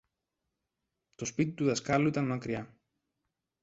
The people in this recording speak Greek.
Το σπίτι του δασκάλου ήταν μακριά.